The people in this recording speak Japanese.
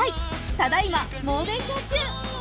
ただいま猛勉強中。